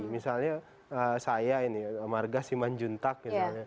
misalnya saya ini marga siman juntak misalnya